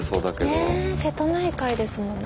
ね瀬戸内海ですもんね。